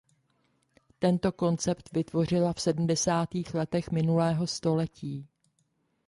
Tento koncept vytvořila v sedmdesátých letech minulého století.